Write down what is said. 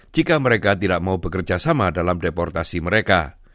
jika mereka tidak mau bekerja sama dalam deportasi mereka